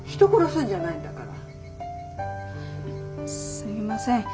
すいません。